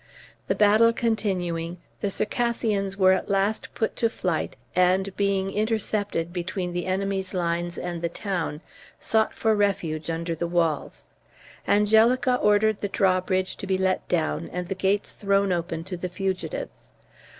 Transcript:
The battle continuing, the Circassians were at last put to flight, and, being intercepted between the enemy's lines and the town, sought for refuge under the walls. Angelica ordered the drawbridge to be let down, and the gates thrown open to the fugitives.